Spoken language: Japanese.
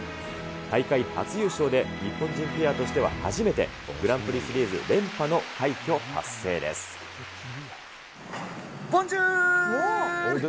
大会初優勝で、日本人ペアとしては初めて、グランプリシリーズ連ボンジュール。